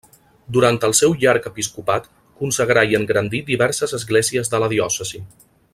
Durant el seu llarg episcopat consagrà i engrandí diverses esglésies de la diòcesi.